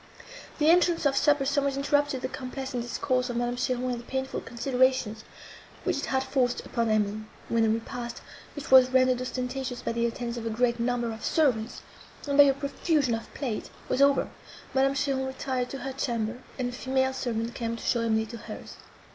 The entrance of supper somewhat interrupted the complacent discourse of Madame Cheron and the painful considerations, which it had forced upon Emily. When the repast, which was rendered ostentatious by the attendance of a great number of servants, and by a profusion of plate, was over, Madame Cheron retired to her chamber, and a female servant came to show Emily to hers.